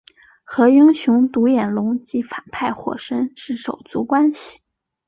和英雄独眼龙及反派火神是手足关系。